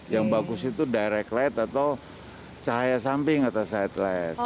yang bagus itu direct light atau cahaya samping atau side light